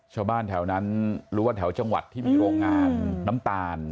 ชาวบ้านแถวนั้นรู้ว่าแถวจังหวัดที่มีโรงงานน้ำตาล